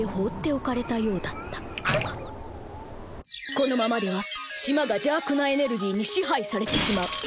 このままでは島が邪悪なエネルギーに支配されてしまう。